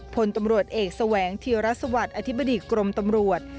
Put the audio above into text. พลตำรวจเอกแสวงเทียรัสวัตรอธิบดิกรมตำรวจ